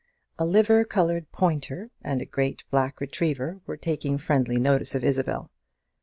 A liver coloured pointer and a great black retriever were taking friendly notice of Isabel.